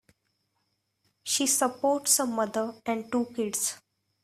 She supports a mother and two kids.